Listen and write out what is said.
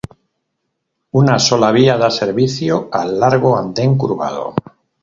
Una sola vía da servicio al largo anden curvado.